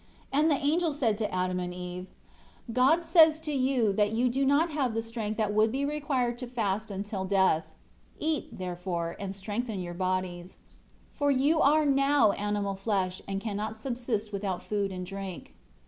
6 And the angel said to Adam and Eve, "God says to you that you do not have the strength that would be required to fast until death; eat, therefore, and strengthen your bodies; for you are now animal flesh and cannot subsist without food and drink."